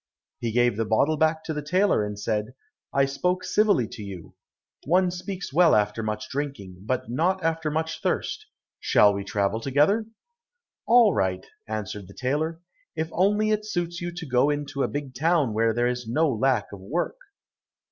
He gave the bottle back to the tailor, and said, "I spoke civilly to you; one speaks well after much drinking, but not after much thirst. Shall we travel together?" "All right," answered the tailor, "if only it suits you to go into a big town where there is no lack of work."